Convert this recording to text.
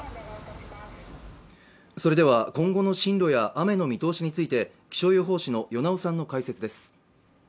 それでは今後の進路や雨の見通しについて気象予報士の與猶さんの解説です。